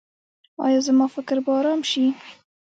ایا زما فکر به ارام شي؟